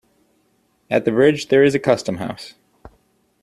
At the bridge there is a Custom House.